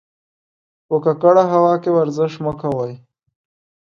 په ککړه هوا کې ورزش مه کوئ.